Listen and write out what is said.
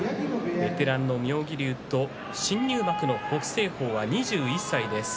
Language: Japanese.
ベテランの妙義龍と新入幕の北青鵬、２１歳です。